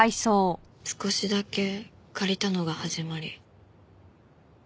少しだけ借りたのが始まり。